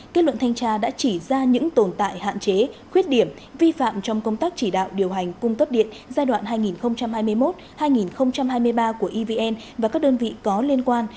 kết luận thanh tra đã chỉ ra những tồn tại hạn chế khuyết điểm vi phạm trong công tác chỉ đạo điều hành cung cấp điện giai đoạn hai nghìn hai mươi một hai nghìn hai mươi ba của evn và các đơn vị có liên quan